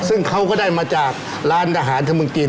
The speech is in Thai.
ซึ่งเขาก็ได้มาจากร้านอาหารธมึงกิน